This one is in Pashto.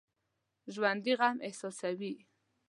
ژوندي غم احساسوي